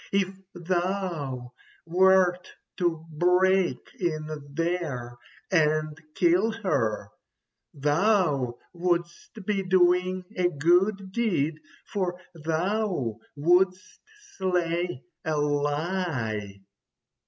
If thou wert to break in there and kill her, thou wouldst be doing a good deed, for thou wouldst slay a lie."